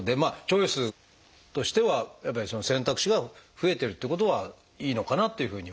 チョイスとしてはやっぱり選択肢が増えてるってことはいいのかなっていうふうには思いますね。